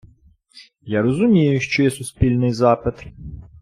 Я розумію, що є суспільний запит.